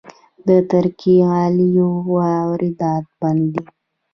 د ترکي غالیو واردات بند دي؟